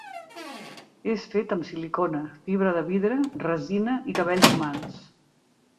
És fet amb silicona, fibra de vidre, resina i cabells humans.